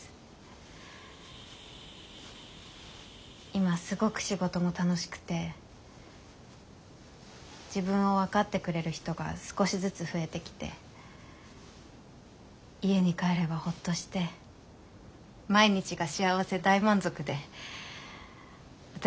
今すごく仕事も楽しくて自分を分かってくれる人が少しずつ増えてきて家に帰ればほっとして毎日が幸せ大満足で私